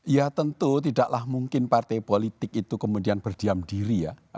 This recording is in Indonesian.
ya tentu tidaklah mungkin partai politik itu kemudian berdiam diri ya